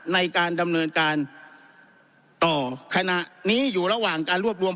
ในการดำเนินการต่อขณะนี้อยู่ระหว่างการรวบรวม